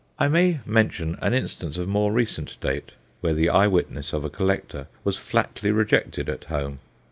I may mention an instance of more recent date, where the eye witness of a collector was flatly rejected at home.